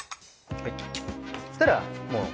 はい。